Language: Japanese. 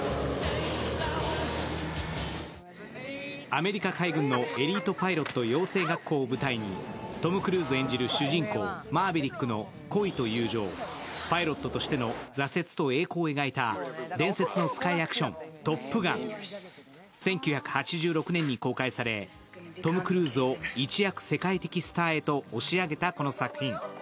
アメリカ海軍のエリートパイロット養成学校を舞台にトム・クルーズ演じる主人公・マーヴェリックの恋と友情、パイロットとしての挫折と栄光を描いた伝説のスカイアクション、「トップガン」１９８６年に公開されトム・クルーズを一躍世界的スターへと押し上げたこの作品。